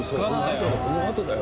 このあとだよ